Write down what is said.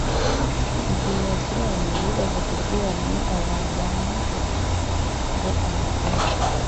Igihe bakiri aho yibaza uburyo yamenya aho hantu bamwogereje ngo ahatere